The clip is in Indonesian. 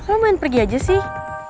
lo main pergi aja sih